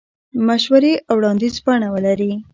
مشورې او وړاندیز بڼه ولري.